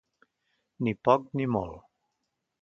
Ni poc ni molt.